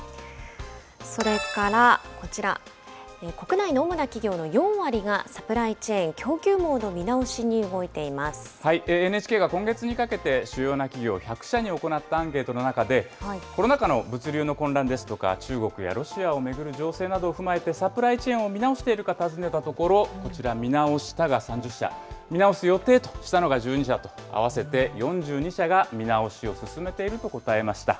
それからこちら、国内の主な企業の４割がサプライチェーン、供給網の見直しに動いＮＨＫが今月にかけて主要な企業１００社に行ったアンケートの中、コロナ禍の物流の混乱ですとか、中国やロシアを巡る情勢などを踏まえて、サプライチェーンを見直しているか尋ねたところ、こちら、見直したが３０社、見直す予定としたのが１２社と、合わせて４２社が見直しを進めていると答えました。